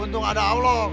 untung ada allah